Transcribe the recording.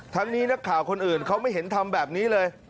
นี้นักข่าวคนอื่นเขาไม่เห็นทำแบบนี้เลย